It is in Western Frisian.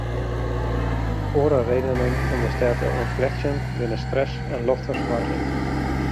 Oare redenen om de stêd te ûntflechtsjen binne stress en loftfersmoarging.